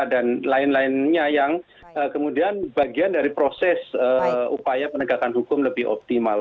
dan lain lainnya yang kemudian bagian dari proses upaya penegakan hukum lebih optimal